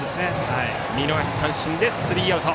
見逃し三振でスリーアウト。